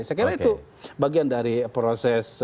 saya kira itu bagian dari proses